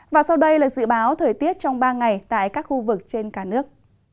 và sau đây là dự báo thời tiết trong ba ngày tại các khu vực trên cả nước